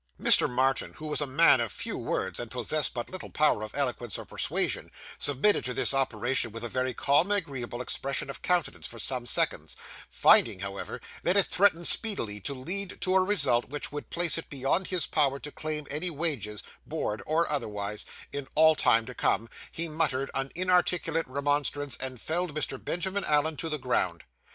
Mr. Martin, who was a man of few words and possessed but little power of eloquence or persuasion, submitted to this operation with a very calm and agreeable expression of countenance, for some seconds; finding, however, that it threatened speedily to lead to a result which would place it beyond his power to claim any wages, board or otherwise, in all time to come, he muttered an inarticulate remonstrance and felled Mr. Benjamin Allen to the ground.